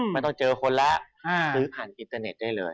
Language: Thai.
ไม่ต้องเจอคนแล้วซื้อผ่านอินเตอร์เน็ตได้เลย